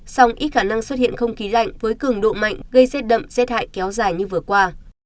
song ít khả năng xuất hiện không khí lạnh với cường độ mạnh gây rét đậm rét hại kéo dài như vừa qua